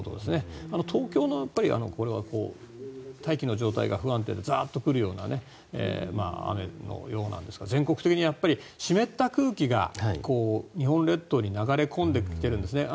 東京のこれは大気の状態が不安定でザーッと来るような雨のようなんですが全国的に湿った空気が日本列島に流れ込んできているんですね。